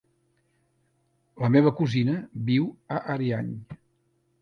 La meva cosina viu a Ariany.